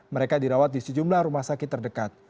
mereka dirawat di sejumlah rumah sakit terdekat